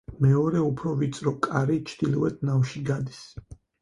მეორე უფრო ვიწრო კარი ჩრდილოეთ ნავში გადის.